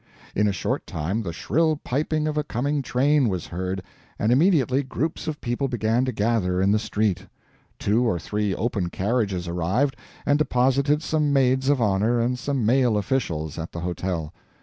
In a short time the shrill piping of a coming train was heard, and immediately groups of people began to gather in the street. Two or three open carriages arrived, and deposited some maids of honor and some male officials at the hotel.